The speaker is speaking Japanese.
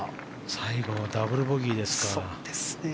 最後ダブルボギーですか。